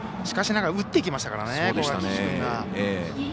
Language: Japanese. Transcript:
しかしながら打っていきましたから。